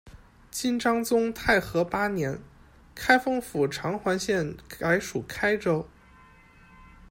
金章宗泰和八年，开封府长垣县改属开州。